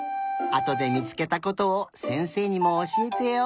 あとでみつけたことをせんせいにもおしえてよ。